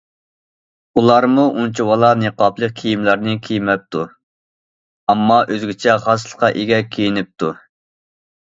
ئۇلارمۇ ئۇنچىۋالا نىقابلىق كىيىملەرنى كىيمەپتۇ، ئەمما ئۆزگىچە خاسلىققا ئىگە كىيىنىپتۇ.